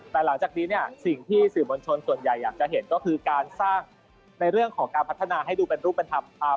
แต่หลังจากนี้เนี่ยสิ่งที่สื่อมวลชนส่วนใหญ่อยากจะเห็นก็คือการสร้างในเรื่องของการพัฒนาให้ดูเป็นรูปเป็นธรรม